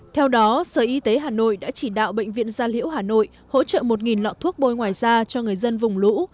theo đó sở y tế hà nội đã chỉ đạo bệnh viện gia liễu hà nội hỗ trợ một lọ thuốc bôi ngoài da cho người dân vùng lũ